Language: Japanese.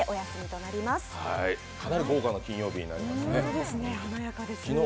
かなり豪華な金曜日になりますね。